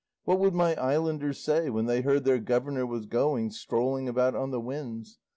What would my islanders say when they heard their governor was going, strolling about on the winds?